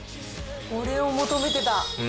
これを求めてた！